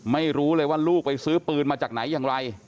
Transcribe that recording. ไม่รู้เลยว่าลูกไปซื้อปืนมาจากไหนอย่างไร